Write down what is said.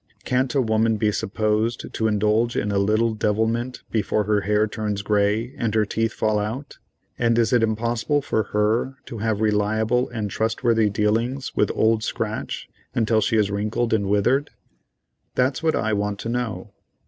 Can't a woman be supposed to indulge in a little devilment before her hair turns grey, and her teeth fall out? and is it impossible for her to have reliable and trustworthy dealings with Old Scratch until she is wrinkled and withered? That's what I want to know.